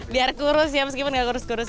biar kurus ya meskipun gak kurus kurus